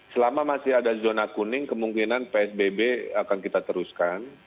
selama masih ada zona kuning kemungkinan psbb akan kita teruskan